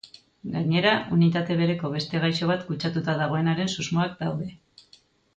Gainera, unitate bereko beste gaixo bat kutsatuta dagoenaren susmoak daude.